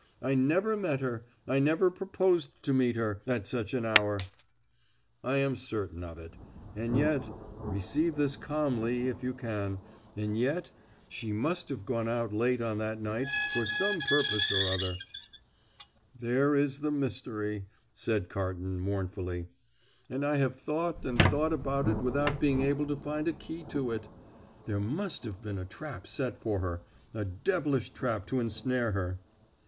I never met her, I never proposed to meet her, at such an hour!" "I am certain of it. And yet receive this calmly, if you can and yet she must have gone out late on that night for some purpose or other." "There is the mystery," said Carton mournfully, "and I have thought and thought about it without being able to find a key to it. There must have been a trap set for her a devilish trap to ensnare her."